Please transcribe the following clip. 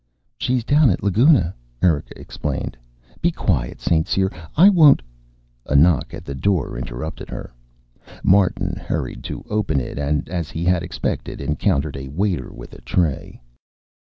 "She's down at Laguna," Erika explained. "Be quiet, St. Cyr! I won't " A knock at the door interrupted her. Martin hurried to open it and as he had expected encountered a waiter with a tray.